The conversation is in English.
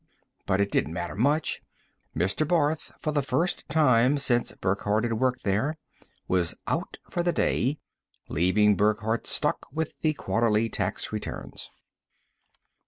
But it didn't matter much. Mr. Barth, for the first time since Burckhardt had worked there, was out for the day leaving Burckhardt stuck with the quarterly tax returns.